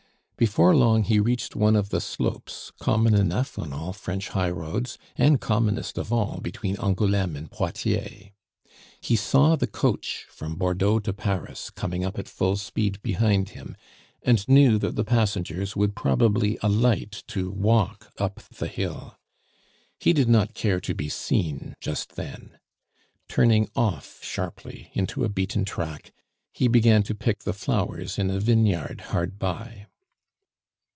Before long he reached one of the slopes, common enough on all French highroads, and commonest of all between Angouleme and Poitiers. He saw the coach from Bordeaux to Paris coming up at full speed behind him, and knew that the passengers would probably alight to walk up the hill. He did not care to be seen just then. Turning off sharply into a beaten track, he began to pick the flowers in a vineyard hard by.